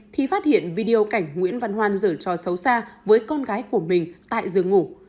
thì phát hiện video cảnh nguyễn văn hoan dở cho xấu xa với con gái của mình tại giường ngủ